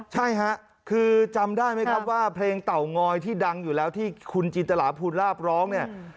ใช่ค่ะคือจำได้ไหมครับว่าเพลงเต่างอยที่ดังอยู่แล้วที่คุณจินตราภูลาภร้องเนี่ย